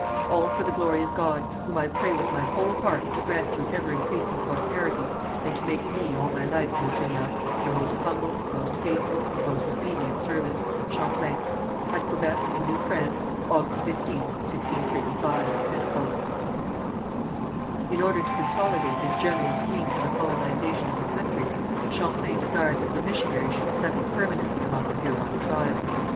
"All for the glory of God, whom I pray with my whole heart to grant you ever increasing prosperity, and to make me all my life, monseigneur, your most humble, most faithful and most obedient servant, "Champlain. "At Quebec, in New France, August 15th, 1635." In order to consolidate his general scheme for the colonization of the country, Champlain desired that the missionaries should settle permanently among the Huron tribes.